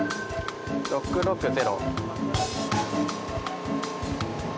６６０。